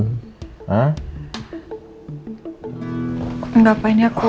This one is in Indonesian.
gak apa ini aku